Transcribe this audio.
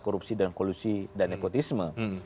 korupsi dan kolusi dan nepotisme